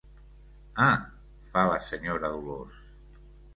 Ah —fa la senyora Dolors.